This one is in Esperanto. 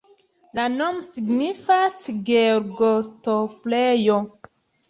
La nomo signifas: Georgo-stoplejo.